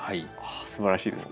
すばらしいですね。